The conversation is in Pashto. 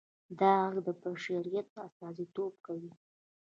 دا غږ د بشریت استازیتوب کوي.